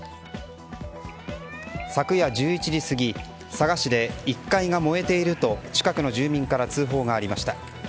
昨夜１１時過ぎ、佐賀市で１階が燃えていると近くの住民から通報がありました。